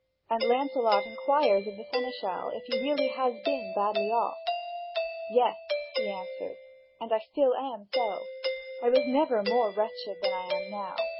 And Lancelot inquires of the seneschal if he has been badly off. "Yes," he answers, "and I still am so. I was never more wretched than I am now.